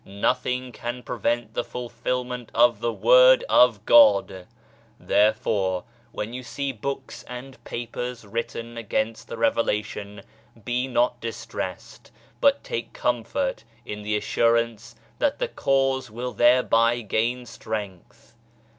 Nothing can prevent the fulfilment of the Word of God I Therefore when you see books and papers written against the Revelation, be not distressed, but take comfort in the assurance that the cause will thereby gain strength.